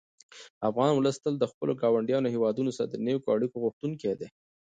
افغان ولس تل د خپلو ګاونډیو هېوادونو سره د نېکو اړیکو غوښتونکی دی.